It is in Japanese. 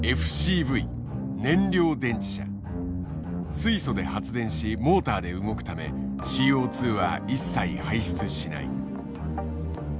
水素で発電しモーターで動くためＣＯは一切排出しない。